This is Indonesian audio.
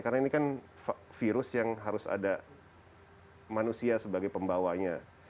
karena ini kan virus yang harus ada manusia sebagai pembawanya